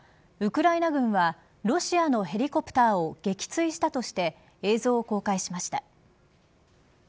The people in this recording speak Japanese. ウクライナ軍はロシアのヘリコプターを撃墜したとして映像を公開しました。